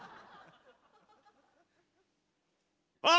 あ！